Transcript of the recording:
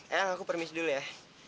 eang aku permisi dulu ya